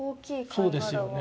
そうですよね。